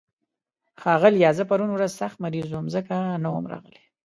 ښاغليه، زه پرون ورځ سخت مريض وم، ځکه نه وم راغلی.